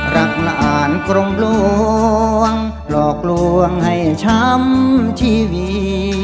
รักละอ่านกล่องรอกลวงให้ช้ำชีวี